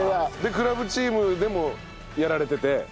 クラブチームでもやられてて。